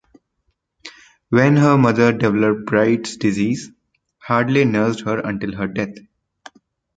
When her mother developed Bright's Disease, Hadley nursed her until her death.